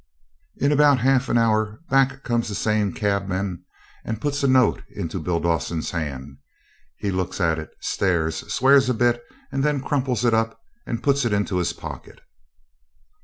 In about half an hour back comes the same cabman and puts a note into Bill Dawson's hand. He looks at it, stares, swears a bit, and then crumples it up and puts it into his pocket.